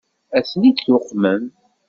Ad ten-id-tuqmem?